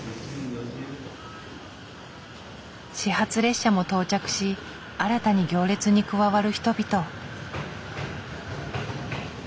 始発列車も到着し新たに行列に加わる人々。